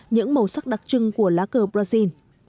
những màu sắc đặc trưng của lá cờ brazil